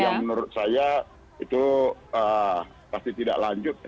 yang menurut saya itu pasti tidak lanjut